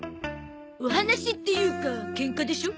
お話っていうかケンカでしょ？